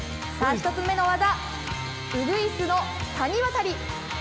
１つ目の技、うぐいすの谷渡り。